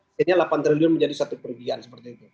artinya lapan triliun menjadi satu kerugian seperti itu